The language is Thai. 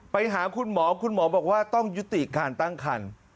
ไปหาคุณหมอคุณหมอบอกว่าต้องยุติการตั้งคัน